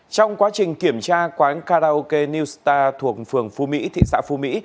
trong quá trình kiểm tra quán karaoke new star thuộc phường phú mỹ